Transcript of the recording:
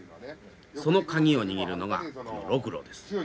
その鍵を握るのがこのロクロです。